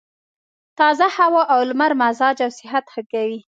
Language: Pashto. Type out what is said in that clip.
تازه هوا او لمر مزاج او صحت ښه کوي.